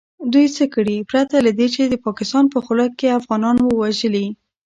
دوئ څه کړي پرته له دې چې د پاکستان په خوله يې افغانان وژلي .